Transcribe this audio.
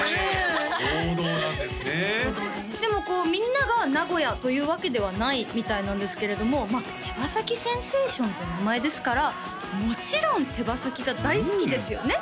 こうみんなが名古屋というわけではないみたいなんですけれども手羽先センセーションって名前ですからもちろん手羽先が大好きですよね？